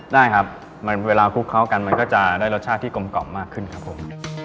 ได้ครับเวลาคลุกเข้ากันมันก็จะได้รสชาติที่กลมกล่อมมากขึ้นครับผม